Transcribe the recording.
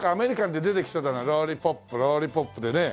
「ロリポップロリポップ」でね。